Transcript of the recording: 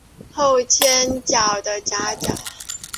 后倾角的夹角。